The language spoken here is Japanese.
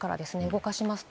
動かします。